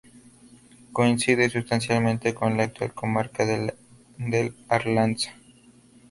Coincide sustancialmente con la actual comarca del Arlanza.